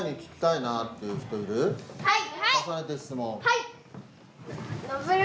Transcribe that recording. はい！